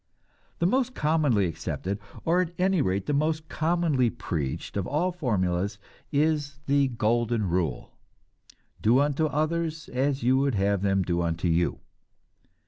The most commonly accepted, or at any rate the most commonly preached, of all formulas is the "golden rule," "Do unto others as you would have them do unto you."